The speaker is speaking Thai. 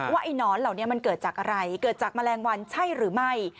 ไอ้หนอนเหล่านี้มันเกิดจากอะไรเกิดจากแมลงวันใช่หรือไม่